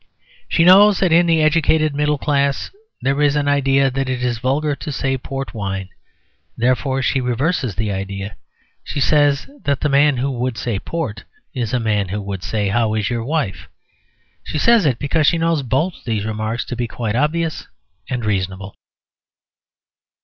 She knows that in the educated "middle class" there is an idea that it is vulgar to say port wine; therefore she reverses the idea she says that the man who would say "port" is a man who would say, "How is your wife?" She says it because she knows both these remarks to be quite obvious and reasonable.